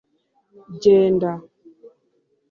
genda